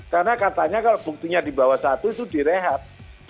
karena katanya kalau buktinya di bawah satu itu direhat